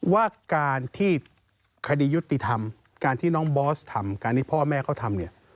ว่าการที่คดียุติธรรมการที่น้องบอสทำการที่พ่อแม่เขาทำเนี่ย